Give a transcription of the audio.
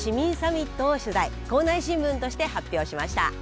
校内新聞として発表しました。